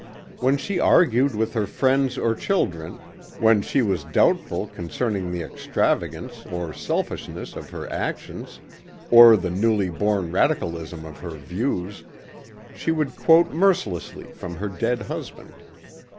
When she argued with her friends or children, when she was doubtful concerning the extravagance or selfishness of her actions, or the newly born radicalism of her views, she would quote mercilessly from her dead husband.